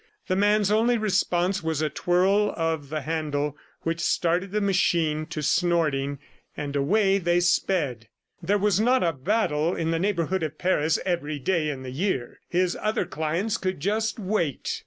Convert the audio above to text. The man's only response was a twirl of the handle which started the machine to snorting, and away they sped. There was not a battle in the neighborhood of Paris every day in the year! His other clients could just wait.